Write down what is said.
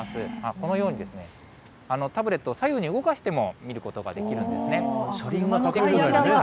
このようにですね、タブレットを左右に動かしても見ることができるんですね。